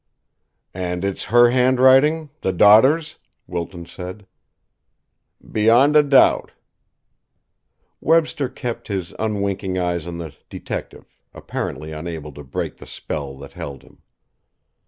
"And it's her handwriting, the daughter's?" Wilton said. "Beyond a doubt." Webster kept his unwinking eyes on the detective, apparently unable to break the spell that held him.